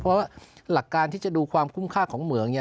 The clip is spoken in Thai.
เพราะว่าหลักการที่จะดูความคุ้มค่าของเหมือง